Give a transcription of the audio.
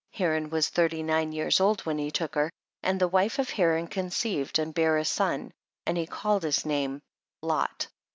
2. Haran was thirty nine years old when he took her ; and the wife of Haran conceived and bare a son, and he called his name Lot.